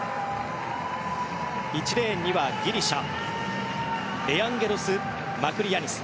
１レーンにはギリシャエヤンゲロス・マクリヤニス。